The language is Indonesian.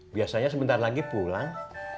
biasanya sebentar lagi pulang